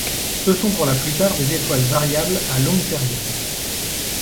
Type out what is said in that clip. Ce sont pour la plupart des étoiles variables à longue période.